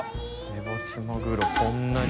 メバチマグロそんなに。